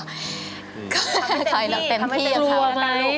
ทำให้เต็มที่ทำให้เต็มที่ครับแต่ลูกกลัวไหม